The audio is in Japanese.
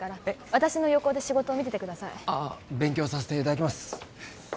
私の横で仕事を見ててくださいああ勉強させていただきます